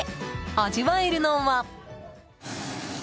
味わえるのは。